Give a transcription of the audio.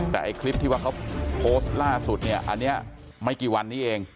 แต่ไอ้คลิปที่ว่าเขาโพสต์ล่าสุดเนี่ยอันนี้ไม่กี่วันนี้เอง